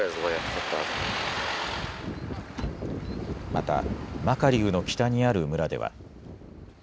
またマカリウの北にある村では。